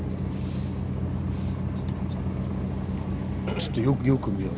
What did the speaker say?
ちょっとよく見よう。